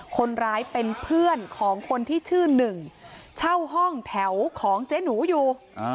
คนร้ายเป็นเพื่อนของคนที่ชื่อหนึ่งเช่าห้องแถวของเจ๊หนูอยู่